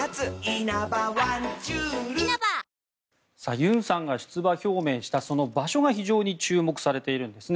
ユンさんが出馬表明したその場所が非常に注目されているんですね。